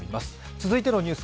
続いてのニュース